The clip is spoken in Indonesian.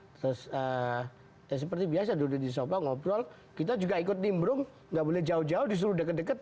terus ya seperti biasa duduk di sofa ngobrol kita juga ikut nimbrung gak boleh jauh jauh disuruh deket deket